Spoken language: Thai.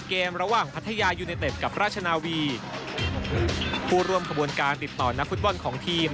เกมระหว่างพัทยายูเนเต็ดกับราชนาวีผู้ร่วมขบวนการติดต่อนักฟุตบอลของทีม